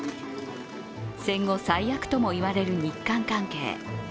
戦後最悪とも言われる日韓関係。